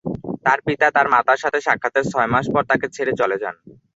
তার পিতা তার মাতার সাথে সাক্ষাতের ছয়মাস পর তাকে ছেড়ে চলে যান।